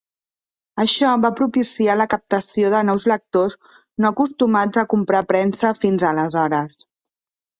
Això va propiciar la captació de nous lectors no acostumats a comprar premsa fins aleshores.